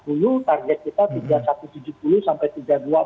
target kita tiga ribu satu ratus tujuh puluh sampai tiga ribu dua ratus empat puluh